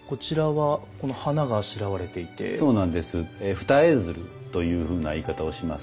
二重蔓というふうな言い方をします。